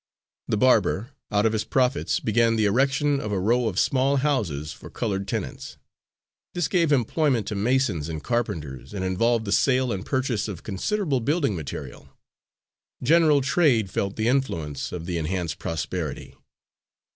The barber, out of his profits, began the erection of a row of small houses for coloured tenants. This gave employment to masons and carpenters, and involved the sale and purchase of considerable building material. General trade felt the influence of the enhanced prosperity.